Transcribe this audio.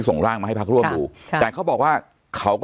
ส่งร่างมาให้พักร่วมดูค่ะแต่เขาบอกว่าเขาก็